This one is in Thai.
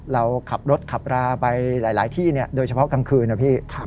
เราขับรถขับราไปหลายที่โดยเฉพาะกลางคืนนะพี่